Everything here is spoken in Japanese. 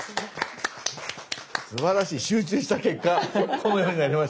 すばらしい集中した結果このようになりました。